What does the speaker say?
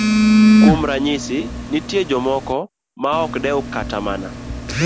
Kuom ranyisi, nitie jomoko maok dew kata mana